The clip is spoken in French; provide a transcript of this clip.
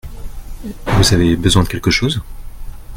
Vous avez besoin de quelque chose ?